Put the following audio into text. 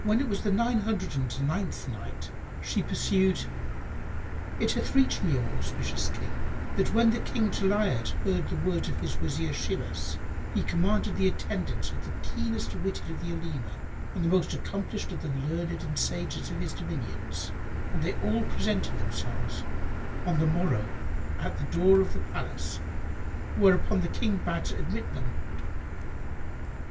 When it was the Nine Hundred and Ninth Night, She pursued: It hath reached me, O auspicious King, that when the King Jali'ad heard the words of his Wazir Shimas, he commanded the attendance of the keenest witted[FN#98] of the Olema and most accomplished of the learned and sages of his dominions, and they all presented themselves on the morrow at the door of the palace, whereupon the King bade admit them.